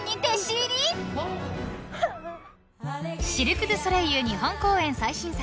［シルク・ドゥ・ソレイユ日本公演最新作］